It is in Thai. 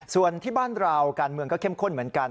ส่วนที่บ้านเราการเมืองก็เข้มข้นเหมือนกัน